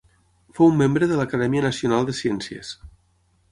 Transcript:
Fou membre de l'Acadèmia Nacional de Ciències.